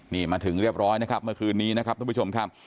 นี่มาถึงเรียบร้อยนะครับเมื่อคืนนี้นะครับทุกผู้ชมครับ